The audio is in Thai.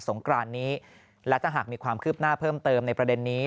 งกรานนี้และถ้าหากมีความคืบหน้าเพิ่มเติมในประเด็นนี้